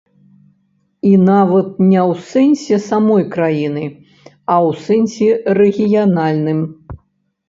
І нават не ў сэнсе самой краіны, а ў сэнсе рэгіянальным.